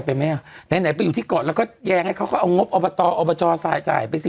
ไปไหมอ่ะไหนไหนไปอยู่ที่เกาะแล้วก็แยงให้เขาก็เอางบอบตอบจทรายจ่ายไปสิ